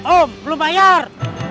om belum bayar